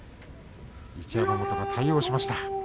一山本は対応しました。